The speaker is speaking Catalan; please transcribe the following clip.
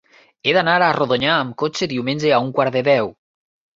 He d'anar a Rodonyà amb cotxe diumenge a un quart de deu.